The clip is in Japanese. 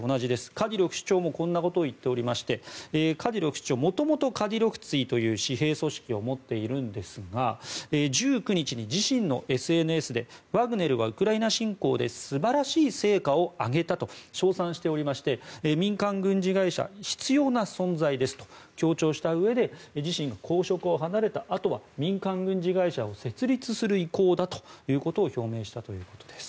カディロフ首長もこんなことを言っておりましてカディロフ首長、もともとカディロフツィという私兵組織を持っているんですが１９日に自身のＳＮＳでワグネルはウクライナ侵攻で素晴らしい成果を上げたと賞賛しておりまして民間軍事会社必要な存在ですと強調したうえで自身の公職を離れたあとは民間軍事会社を設立する意向だということを表明したということです。